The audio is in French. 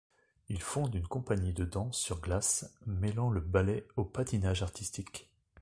Il fonde une compagnie de danse sur glace, mêlant le ballet au patinage artistique.